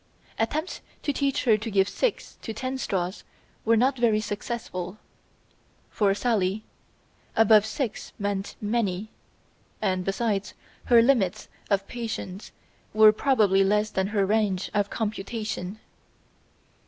Attempts to teach her to give six to ten straws were not very successful. For Sally "above six" meant "many," and besides, her limits of patience were probably less than her range of computation.